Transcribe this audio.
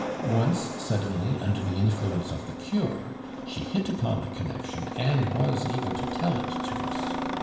Once, suddenly, under the influence of the cure, she hit upon the connection and was able to tell it to us.